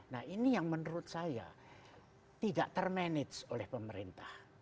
nah ini yang menurut saya tidak termanage oleh pemerintah